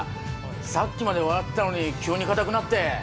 さっきまで笑ってたのに急に硬くなって。